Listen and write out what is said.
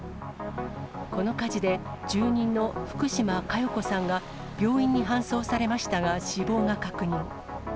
この火事で、住人の福島香代子さんが病院に搬送されましたが、死亡が確認。